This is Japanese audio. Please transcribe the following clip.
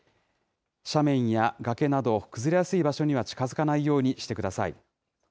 斜面や崖など、崩れやすい場所には近づかないようにしてください。